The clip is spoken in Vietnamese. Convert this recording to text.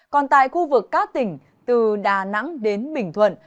còn tại khu vực các tỉnh từ đà nẵng đến bình thuận